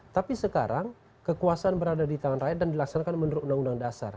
tapi sekarang kekuasaan berada di tangan rakyat dan dilaksanakan menurut undang undang dasar